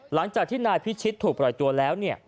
หลังจากที่นายพิชิตถูกปล่อยตัวแล้ว